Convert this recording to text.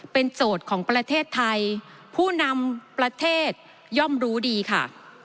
เป็นโจทย์ของประเทศไทยผู้นำประเทศย่อมรู้ดีค่ะ